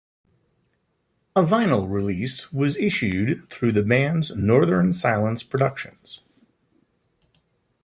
A vinyl released was issued through the band's Northern Silence Productions.